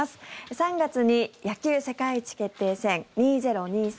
３月に野球世界一決定戦２０２３